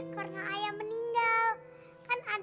karena ayah menikah